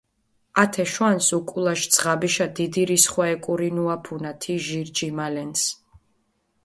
ათე შვანს უკულაში ძღაბიშა დიდი რისხვა ეკურინუაფუნა თი ჟირი ჯიმალენს.